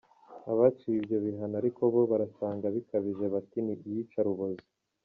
Abaciwe ibyo bihano ariko bo barasanga bikabije bati ni iyicarubozo.